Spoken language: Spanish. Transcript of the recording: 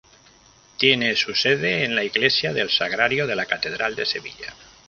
Tiene su sede en la iglesia del Sagrario de la catedral de Sevilla.